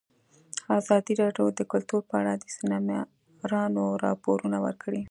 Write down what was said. ازادي راډیو د کلتور په اړه د سیمینارونو راپورونه ورکړي.